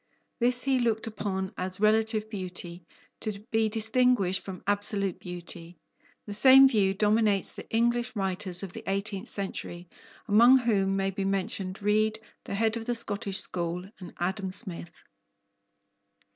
This he looked upon as relative beauty, to be distinguished from absolute beauty. The same view dominates the English writers of the eighteenth century, among whom may be mentioned Reid, the head of the Scottish school, and Adam Smith.